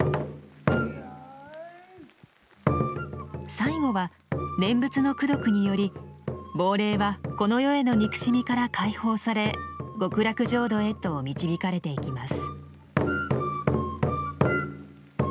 最後は念仏の功徳により亡霊はこの世への憎しみから解放され極楽浄土へと導かれていきます。